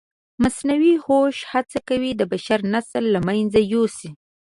مصنوعي هوښ هڅه کوي د بشر نسل له منځه یوسي.